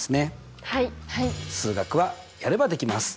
数学はやればできます！